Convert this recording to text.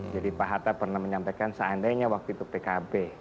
jadi pak hatta pernah menyampaikan seandainya waktu itu pkb